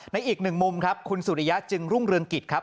อีกหนึ่งมุมครับคุณสุริยะจึงรุ่งเรืองกิจครับ